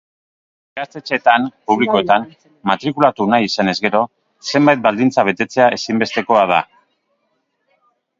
Ikastetxeetan publikoetan matrikulatu nahi izanez gero, zenbait baldintza betetzea ezinbestekoa da.